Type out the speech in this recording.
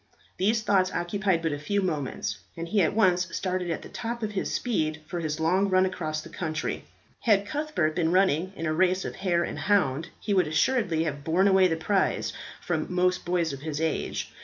These thoughts occupied but a few moments, and he at once started at the top of his speed for his long run across the country. Had Cuthbert been running in a race of hare and hound, he would assuredly have borne away the prize from most boys of his age.